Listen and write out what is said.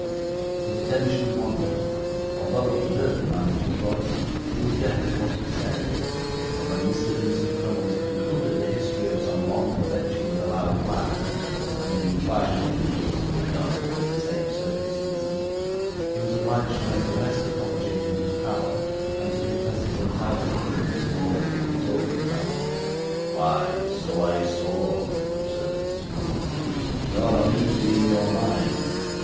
His attention wandered; although he heard the manager's voice, he was deaf to what he said; and when Mr. Vincent Crummles concluded the history of some long adventure with a loud laugh, and an inquiry what Nicholas would have done under the same circumstances, he was obliged to make the best apology in his power, and to confess his entire ignorance of all he had been talking about. 'Why, so I saw,' observed Mr. Crummles. 'You're uneasy in your mind.